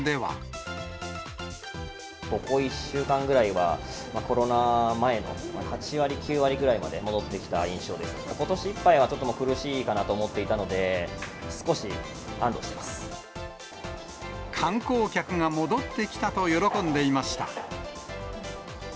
ここ１週間ぐらいは、コロナ前の８割、９割ぐらいまで戻ってきた印象で、ことしいっぱいは、ちょっと苦しいかなと思っていたので、観光客が戻ってきたと喜んでいました。